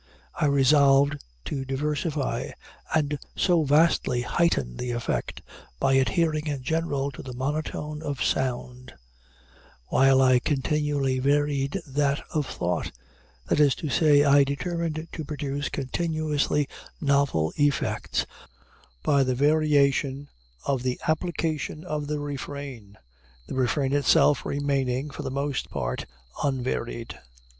I resolved to diversify, and so vastly heighten, the effect, by adhering, in general, to the monotone of sound, while I continually varied that of thought: that is to say, I determined to produce continuously novel effects, by the variation of the application of the refrain the refrain itself remaining, for the most part, unvaried.